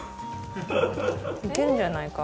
いけるんじゃないか。